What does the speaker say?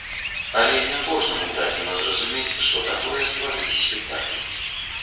Але не кожнаму дадзена зразумець, што такое стварыць спектакль.